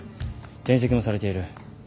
転籍もされている。